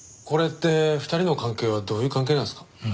これって２人の関係はどういう関係なんですか？